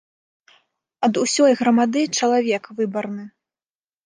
Ад усёй грамады чалавек выбарны.